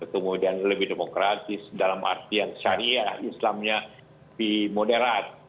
kemudian lebih demokratis dalam artian syariah islamnya lebih moderat